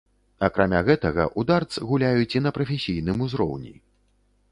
Акрамя гэтага, у дартс гуляюць і на прафесійным узроўні.